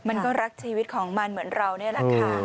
มันก็รักชีวิตของมันเหมือนเรานี่แหละค่ะ